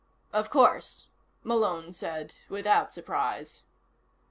"Of course," Malone said without surprise.